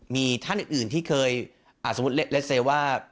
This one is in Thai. มีท่านอื่นที่เคยสมมุติเลสเซลว่า